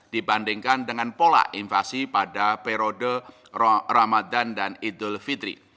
dibandingkan dengan pola invasi pada periode ramadan dan idul fitri